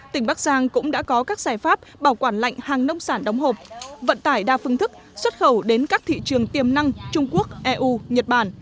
tỉnh bắc giang cũng đã có các giải pháp bảo quản lạnh hàng nông sản đóng hộp vận tải đa phương thức xuất khẩu đến các thị trường tiềm năng trung quốc eu nhật bản